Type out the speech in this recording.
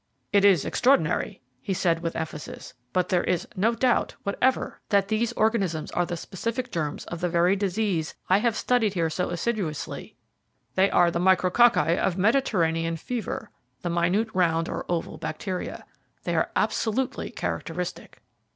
"It is extraordinary," he said, with emphasis, "but there is no doubt whatever that these organisms are the specific germs of the very disease I have studied here so assiduously; they are the micrococci of Mediterranean fever, the minute round or oval bacteria. They are absolutely characteristic."